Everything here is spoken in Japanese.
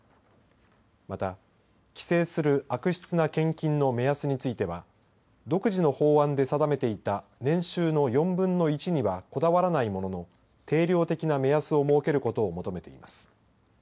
また、規制する悪質な献金の目安については独自の法案で定めていた年収の４分の１にはこだわらないものの定量的な目安を設けることを求めています。